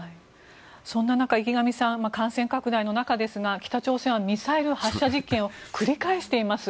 そんな中池上さん、感染拡大の中ですが北朝鮮はミサイル発射実験を繰り返しています。